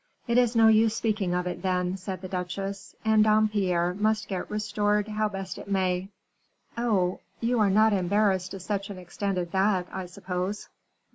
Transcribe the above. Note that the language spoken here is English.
"It is no use speaking of it, then," said the duchesse, "and Dampierre must get restored how best it may." "Oh! you are not embarrassed to such an extent as that, I suppose."